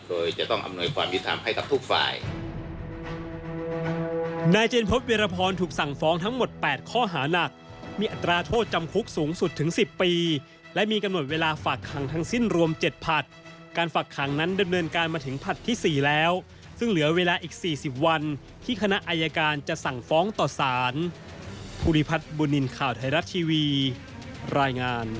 โดยจะต้องอำนวยความยุติธรรมให้กับทุกฝ่าย